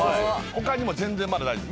他にも全然まだ大丈夫。